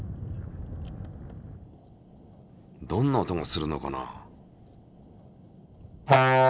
どんな音がするのかな？